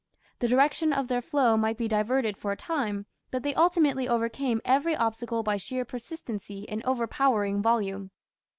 The direction of their flow might be diverted for a time, but they ultimately overcame every obstacle by sheer persistency and overpowering volume.